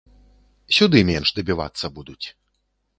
Сюды менш дабівацца будуць.